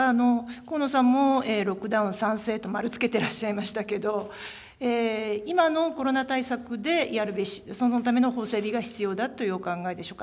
河野さんもロックダウン賛成と、〇つけてらっしゃいましたけれども、今のコロナ対策でやるべし、そのための法整備が必要だというお考えでしょうか。